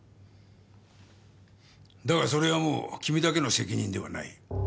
だがそれはもう君だけの責任ではない。